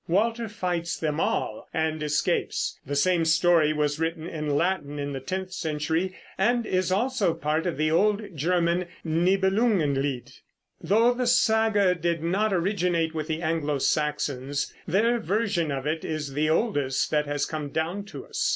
Walter fights them all and escapes. The same story was written in Latin in the tenth century, and is also part of the old German Nibelungenlied. Though the saga did not originate with the Anglo Saxons, their version of it is the oldest that has come down to us.